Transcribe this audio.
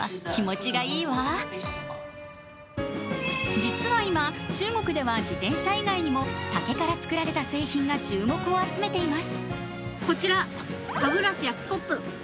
実は今、中国では自転車以外にも竹から作られた製品が注目を集めています。